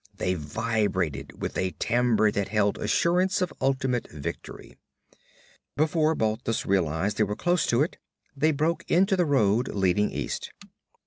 They vibrated with a timbre that held assurance of ultimate victory. Before Balthus realized they were close to it, they broke into the road leading east.